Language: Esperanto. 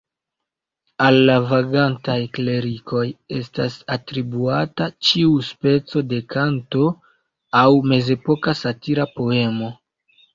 Al la "vagantaj klerikoj" estas atribuata ĉiu speco de kanto aŭ mezepoka satira poemo.